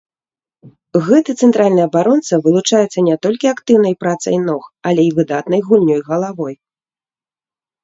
Гэты цэнтральны абаронца вылучаецца не толькі актыўнай працай ног, але і выдатнай гульнёй галавой.